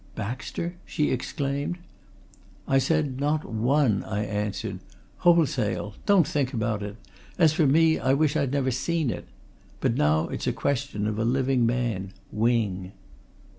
"Baxter?" she exclaimed. "I said not one!" I answered. "Wholesale! Don't think about it as for me, I wish I'd never seen it. But now it's a question of a living man Wing."